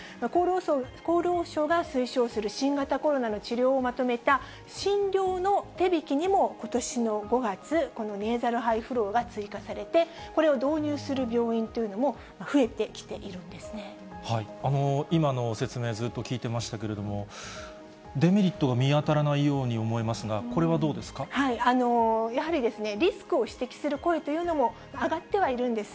厚労省が推奨する新型コロナの治療をまとめた、診療の手引にも、ことしの５月、このネーザルハイフローが追加されて、これを導入する病院という今の説明、ずっと聞いてましたけれども、デメリットが見当たらないように思いますけれども、これはどうでやはり、リスクを指摘する声というのも上がってはいるんです。